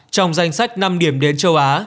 trong danh sách năm điểm đến châu á